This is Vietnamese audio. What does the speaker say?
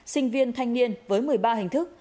sinh viên thanh niên với một mươi ba hình thức